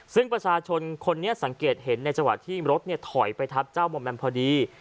ซึ่งประชาชนคนนี้สังเกตเห็นในจังหวะที่รถถอยไปทับเจ้ามอมแมมพอดี